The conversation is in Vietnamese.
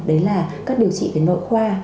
đấy là các điều trị về nội khoa